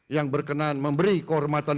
yang berkenan memberi kehormatan